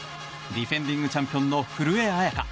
ディフェンディングチャンピオンの古江彩佳。